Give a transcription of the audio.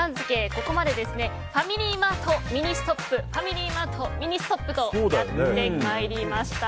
ここまでファミリーマート、ミニストップファミリーマートミニストップとやってまいりました。